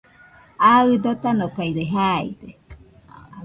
Aɨ dotanokaide jaide